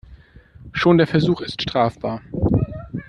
Schon der Versuch ist strafbar.